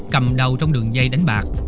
cầm đầu trong đường dây đánh bạc